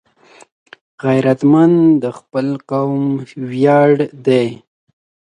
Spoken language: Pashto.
غیرتمند د خپل قوم ویاړ دی